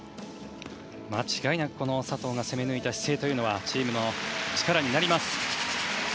間違いなく佐藤が攻め抜いた姿勢はチームの力になります。